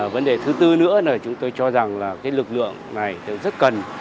vấn đề thứ tư nữa là chúng tôi cho rằng lực lượng này rất cần